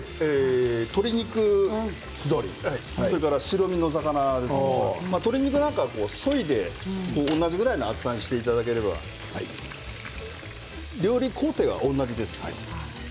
鶏肉、白身のお魚鶏肉はそいで同じぐらいの厚さにしていただければ料理工程は同じです。